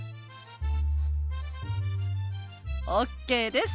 ＯＫです！